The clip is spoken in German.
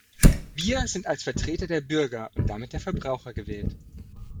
Wir sind als Vertreter der Bürger und damit der Verbraucher gewählt.